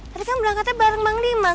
tadi kan bilang katanya bareng bang liman